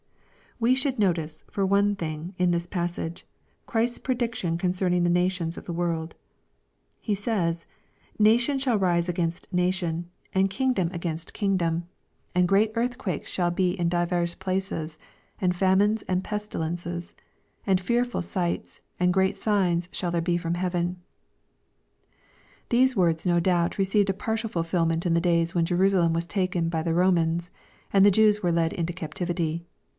We should notice, for one thing, in this passage, Ghris^B prediction concerning the nations of the world. He says, Nation shall rise against nation, and kingdom against LUKE, CHAP. XXI. 361 kingdom : and great earthquakes shall be in divers places, and famines and pestilences : and fearful sights, and great signs shall there be from heaven/' These words no doubt received a partial fulfilment in the days when Jerusalem was taken by the Romans, and the Jews were led into captivity.